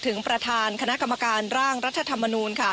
ถึงประธานคณะกรรมการร่างรัฐธรรมนูล